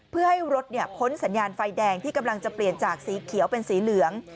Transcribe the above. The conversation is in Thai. เพื่อให้รถพ้นสัญญาณไฟแดงที่กำลังจะเปลี่ยนจากสีเขียวเป็นสีเหลือง